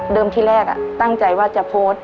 เดิมที่แรกตั้งใจว่าจะโพส